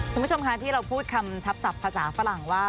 คุณผู้ชมค่ะที่เราพูดคำทับศัพท์ภาษาฝรั่งว่า